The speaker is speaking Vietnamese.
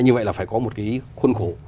như vậy là phải có một cái khuân cổ